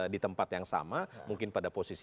di tempat yang sama mungkin pada posisi